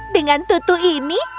dengan tutu ini